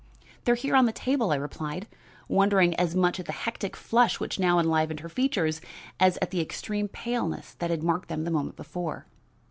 "They are here on the table," I replied, wondering as much at the hectic flush which now enlivened her features as at the extreme paleness that had marked them the moment before.